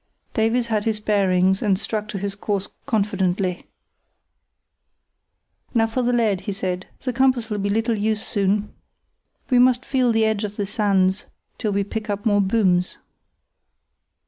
Davies had his bearings, and struck on his course confidently. "Now for the lead," he said; "the compass'll be little use soon. We must feel the edge of the sands till we pick up more booms."